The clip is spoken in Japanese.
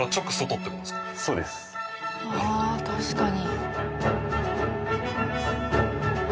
ああ確かに。